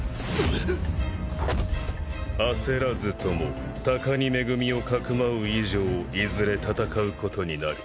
焦らずとも高荷恵をかくまう以上いずれ戦うことになる。